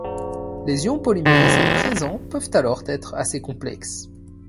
Les ions polymérisés présents peuvent alors être assez complexes.